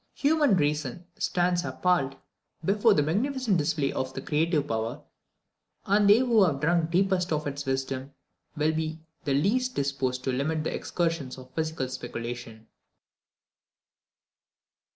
Human reason stands appalled before this magnificent display of creative power, and they who have drunk deepest of its wisdom will be the least disposed to limit the excursions of physical speculation.